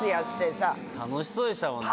楽しそうでしたもんね。